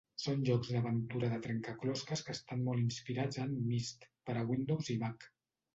Són jocs d'aventura de trencaclosques que estan molt inspirats en "Myst" per a Windows i Mac.